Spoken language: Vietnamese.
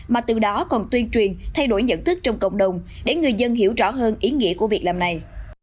mà từ đó còn tuyên truyền thay đổi nhận thức trong cộng đồng để người dân hiểu rõ hơn ý nghĩa của việc làm này